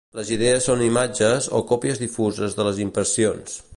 Les idees són imatges o còpies difuses de les impressions.